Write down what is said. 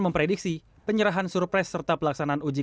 kepada siapa tongkat komando panglima tni akan menentukan